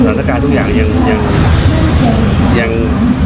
สถานการณ์ทุกอย่างยัง